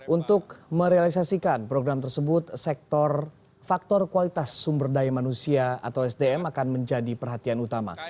untuk merealisasikan program tersebut faktor kualitas sumber daya manusia atau sdm akan menjadi perhatian utama